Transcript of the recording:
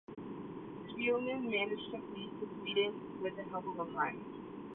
Spielmann managed to flee to Sweden with the help of a friend.